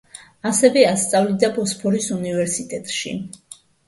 ასევე ასწავლიდა ბოსფორის უნივერსიტეტში.